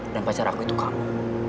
dan pacar aku itu kamu